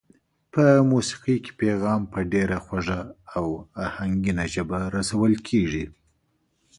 په موسېقۍ کې پیغام په ډېره خوږه او آهنګینه ژبه رسول کېږي.